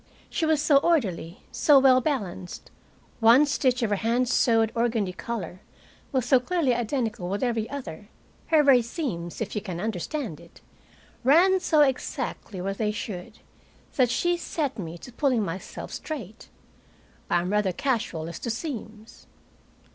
She was so orderly, so well balanced, one stitch of her hand sewed organdy collar was so clearly identical with every other, her very seams, if you can understand it, ran so exactly where they should, that she set me to pulling myself straight. I am rather casual as to seams.